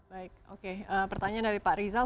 baik oke pertanyaan dari pak rizal